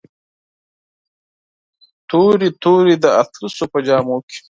تورې، تورې د اطلسو په جامو کې